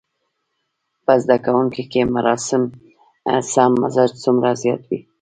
په زده کوونکي کې سم مزاج څومره زيات وي.